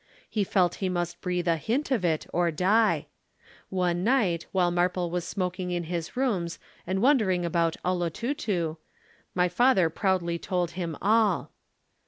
He felt he must breathe a hint of it or die. One night while Marple was smoking in his rooms and wondering about "Olotutu," my father proudly told him all.